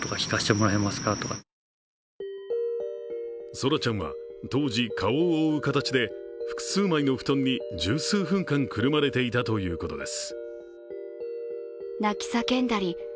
奏良ちゃんは当時、顔を覆う形で、複数枚の布団に、十数分間、くるまれていたということです。